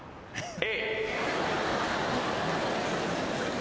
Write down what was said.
Ａ！？